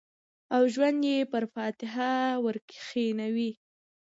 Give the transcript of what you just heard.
او ژوند یې پر فاتحه ورکښېنوی